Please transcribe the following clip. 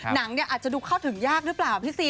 หนังเนี่ยอาจจะดูเข้าถึงยากหรือเปล่าพี่ซี